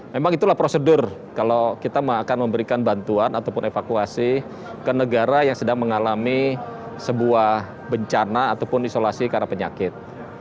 memang itulah prosedur kalau kita akan memberikan bantuan ataupun evakuasi ke negara yang sedang mengalami sebuah bencana ataupun isolasi karena penyakit